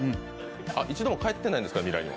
一度も帰ってないんですか、未来には。